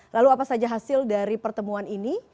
lalu apa saja hasil dari pertemuan ini